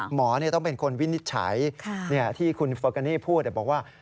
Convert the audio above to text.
หมอต้องเป็นคนวินิจฉัยที่คุณเฟอร์กานี่พูดบอกว่า